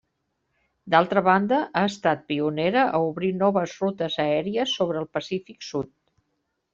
D'altra banda, ha estat pionera a obrir noves rutes aèries sobre el Pacífic sud.